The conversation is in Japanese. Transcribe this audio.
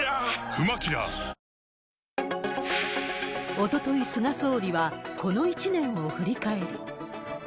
おととい、菅総理はこの１年を振り返り。